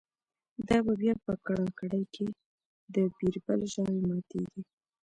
دا به بیا په کړاکړ کی د« بیربل» ژامی ماتیږی